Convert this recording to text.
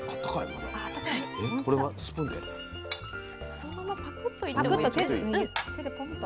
そのままパクッといってもいいし手でポンと。